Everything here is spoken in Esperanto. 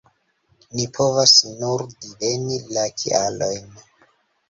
Ni povas nur diveni la kialojn.